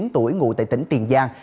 hai mươi chín tuổi ngủ tại tỉnh tiền giang